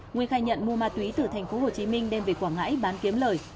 nguyên khai nhận mua ma túy từ tp hcm đem về quảng ngãi bán kiếm lời